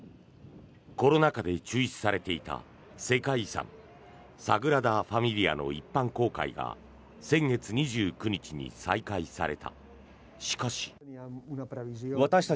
コロナ禍で中止されていた世界遺産サグラダ・ファミリアの一般公開が先月２９日に再開された。